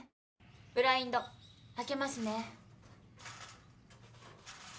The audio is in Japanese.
ブラインド開けますね。